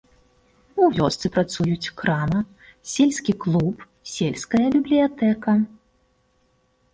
У вёсцы працуюць крама, сельскі клуб, сельская бібліятэка.